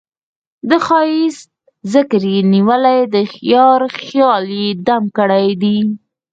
د ښــــــــایست ذکر یې نیولی د یار خیال یې دم ګړی دی